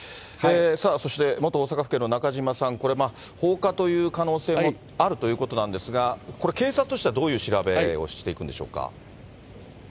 そして元大阪府警の中島さん、これ、放火という可能性もあるということなんですが、これは、警察としてはどういう調べをしていくんでしょうか。